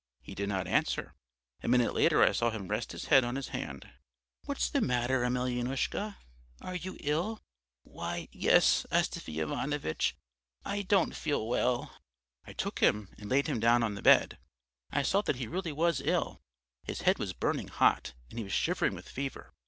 "He did not answer. A minute later I saw him rest his head on his hand. "'What's the matter, Emelyanoushka, are you ill?' "'Why, yes, Astafy Ivanovitch, I don't feel well.' "I took him and laid him down on the bed. I saw that he really was ill: his head was burning hot and he was shivering with fever.